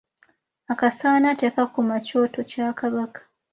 Akasaana tekakuma kyoto kya Kabaka.